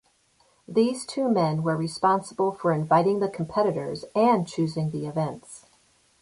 These two men were responsible for inviting the competitors and choosing the events.